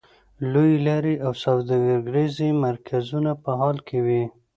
لویې لارې او سوداګریز مرکزونه په حال کې وې.